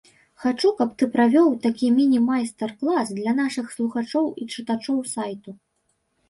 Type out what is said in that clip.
Хачу каб ты правёў такі міні-майстар клас для нашых слухачоў і чытачоў сайту.